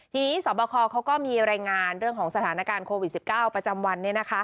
ทีนี้สอบคอเขาก็มีรายงานเรื่องของสถานการณ์โควิด๑๙ประจำวัน